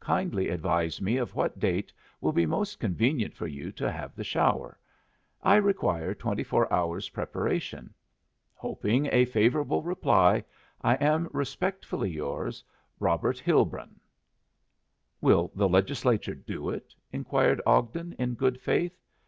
Kindly advise me of what date will be most convenient for you to have the shower. I require twenty four hours' preparation. Hoping a favorable reply, "I am, respectfully yours, "Robert Hilbrun" "Will the Legislature do it?" inquired Ogden in good faith.